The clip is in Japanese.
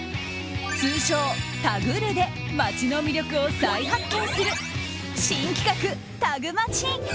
通称タグるで街の魅力を再発見する新企画、タグマチ。